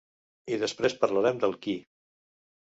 I després parlarem del qui.